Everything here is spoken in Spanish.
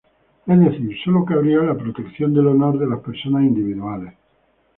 Es decir, sólo cabría la protección del honor de las personas individuales.